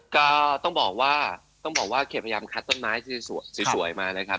ก็ต้องบอกว่าเขตพยายามคัดต้นไม้ที่สวยมากเลยครับ